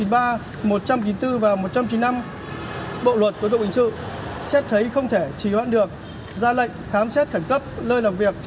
bộ luật của đội bình sự xét thấy không thể trì hoãn được ra lệnh khán xét khẩn cấp lơi làm việc